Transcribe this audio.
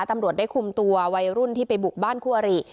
ตำรวจได้คุมตัววัยรุ่นที่ไปบุกบ้านคู่อริ